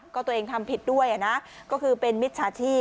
ก็ตัวเองทำผิดด้วยนะก็คือเป็นมิจฉาชีพ